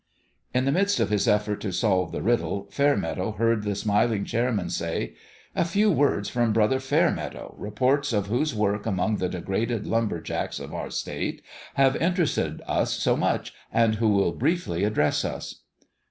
In the midst of his effort to solve the rid dle, Fairmeadow heard the smiling chairman say " A few words from Brother Fairmeadow, re ports of whose work among the degraded lumber jacks of our state have interested us so much, and who will briefly address us."